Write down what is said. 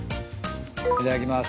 いただきます。